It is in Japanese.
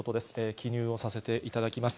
記入をさせていただきます。